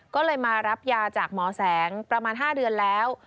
ก็เลยมารับยาจากหมอแสงประมาณ๕เดือนแล้ว